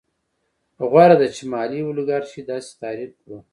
غوره ده چې مالي الیګارشي داسې تعریف کړو